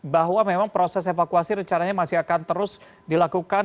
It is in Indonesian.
bahwa memang proses evakuasi rencananya masih akan terus dilakukan